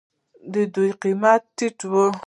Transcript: دوی قیمت ټیټوي.